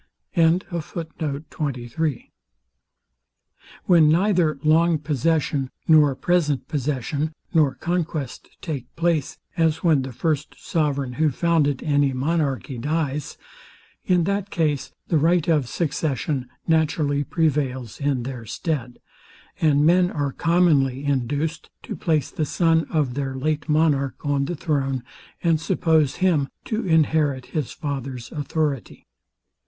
When neither long possession, nor present possession, nor conquest take place, as when the first sovereign, who founded any monarchy, dies; in that case, the right of succession naturally prevails in their stead, and men are commonly induced to place the son of their late monarch on the throne, and suppose him to inherit his father's authority.